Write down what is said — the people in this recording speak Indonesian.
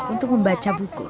untuk membaca buku